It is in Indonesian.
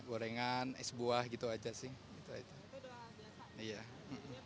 gorengan es buah gitu aja sih